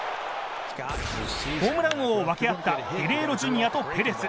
ホームラン王を分け合ったゲレーロ・ジュニアとペレス。